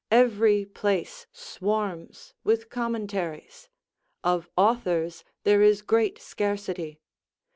Every place swarms with commentaries; of authors there is great scarcity.